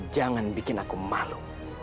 jangan bikin aku malu